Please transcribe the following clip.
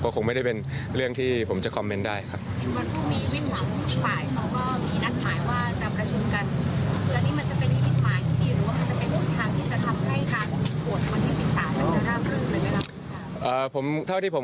คงไม่ได้เป็นเรื่องที่ผมจะคอมเมนต์ได้ครับ